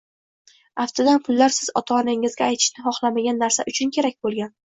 Aftidan pullar siz ota-onangizga aytishni xohlamagan narsa uchun kerak bo‘lgan